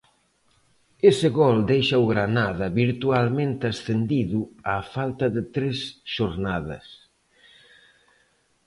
Ese gol deixa o Granada virtualmente ascendido á falta de tres xornadas.